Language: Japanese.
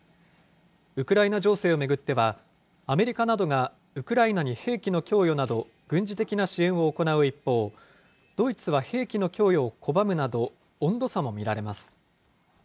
ウクライナ情勢を巡っては、アメリカなどがウクライナに兵器の供与など、軍事的な支援を行う一方、ドイツは兵器の供与を拒むなど、温度差も見られます。